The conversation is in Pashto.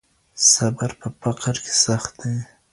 صبر په فقر کې سخت دی.